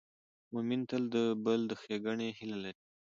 مؤمن تل د بل د ښېګڼې هیله لري.